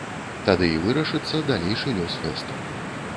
Тады і вырашыцца далейшы лёс фэсту.